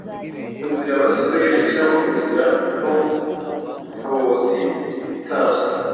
Kuzira abaswere cyangwa Kuzira inkonkobotsi itazwi.